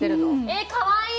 えっかわいい！